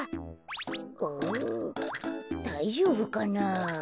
ああだいじょうぶかな。